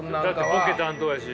ボケ担当やし。